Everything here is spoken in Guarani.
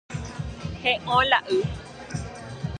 He'õ la y